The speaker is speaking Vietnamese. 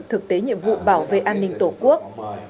thực tế nhiệm vụ bảo vệ an ninh tổ quốc